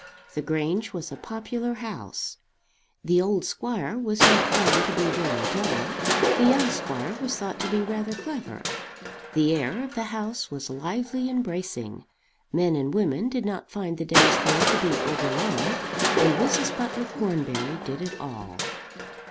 The Grange was a popular house. The old squire was not found to be very dull. The young squire was thought to be rather clever. The air of the house was lively and bracing. Men and women did not find the days there to be over long. And Mrs. Butler Cornbury did it all.